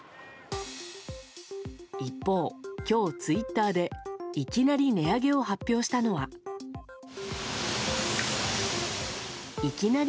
一方、今日ツイッターでいきなり値上げを発表したのはいきなり！